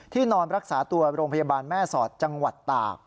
นอนรักษาตัวโรงพยาบาลแม่สอดจังหวัดตาก